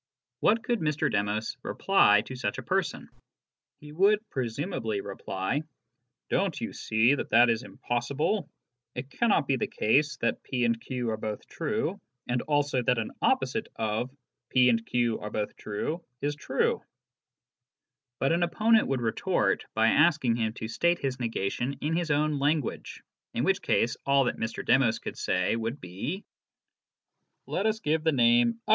What could Mr. Demos reply to such a person ? He would presumably reply ;" Don't you see that that is impossible ? It cannot be the case that p and q are both true, and also that an opposite of 'p and q are both true ' is true." But an opponent would retort by asking him to state his negation in his own language, in which case all that Mr. Demos could say would be :" Let us *" A Discussion of a Certain Type of Negative Proposition," Miiid, N.S., No. 102, pp.